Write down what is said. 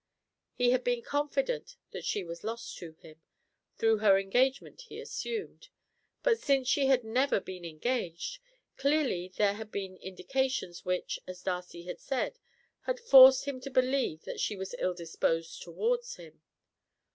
He had been confident that she was lost to him, through her engagement, he assumed; but since she had never been engaged, clearly there had been indications which, as Darcy had said, had forced him to believe that she was ill disposed towards him.